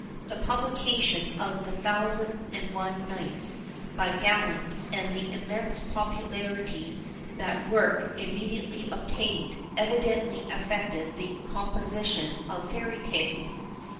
The publication of The Thousand and One Nights, by Galland, and the immense popularity that work immediately obtained, evidently affected the composition of fairy tales.